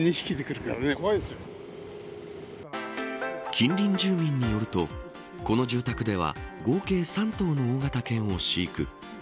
近隣住民によるとこの住宅では合計３頭の大型犬を飼育。